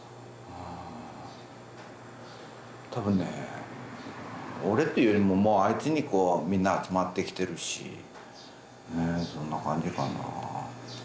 多分ね俺っていうよりもあいつにみんな集まってきてるしそんな感じかな。